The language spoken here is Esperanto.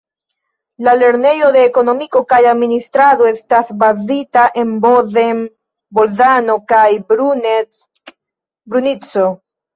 La Lernejo de Ekonomiko kaj administrado estas bazita en Bozen-Bolzano kaj Bruneck-Brunico.